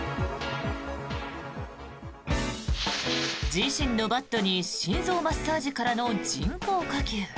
自身のバットに心臓マッサージからの人工呼吸。